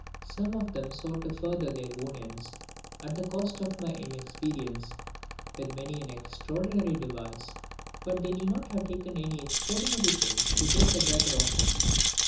Some of them sought to further their own ends, at the cost of my inexperience, with many an extraordinary device. But they need not have taken any extraordinary pains to get the better of me.